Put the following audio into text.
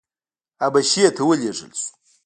حبشې ته ولېږل شو.